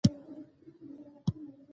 د سهار هوا پاکه او تازه وه.